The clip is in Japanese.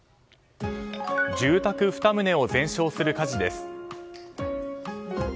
住宅２棟を全焼する火事です。